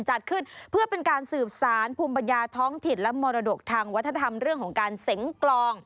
จัดขึ้นเพื่อเป็นการสืบสารภูมิปัญญาท้องถิ่นและมรดกทางวัฒนธรรมเรื่องของการเสงกลอง